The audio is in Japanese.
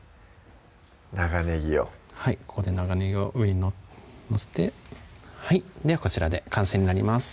長ねぎをはいここで長ねぎを上に載せてはいではこちらで完成になります